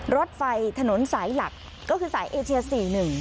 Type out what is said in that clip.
รถไฟถนนสายหลักก็คือสายเอเชียร์สี่หนึ่ง